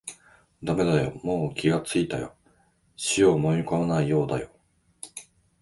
だめだよ、もう気がついたよ、塩をもみこまないようだよ